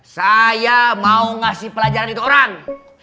saya mau ngasih pelajaran itu orang